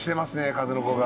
数の子が。